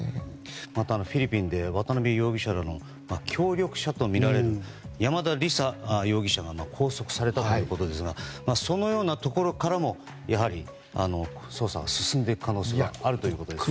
また、フィリピンで渡邉容疑者らの協力者とみられる山田李沙容疑者が拘束されたということですがそのようなところからもやはり、捜査は進んでいく可能性はあるということですね。